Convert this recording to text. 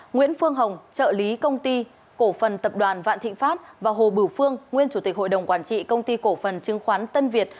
nguyễn phương hồng trợ lý công ty cổ phần tập đoàn vạn thịnh pháp và hồ bửu phương nguyên chủ tịch hội đồng quản trị công ty cổ phần chứng khoán tân việt